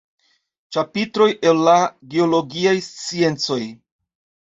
Ĉapitroj el la geologiaj sciencoj".